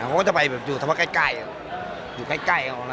ใช่เขาก็จะไปอยู่ถ้าว่าใกล้อยู่ใกล้ออกแล้วอย่างนี้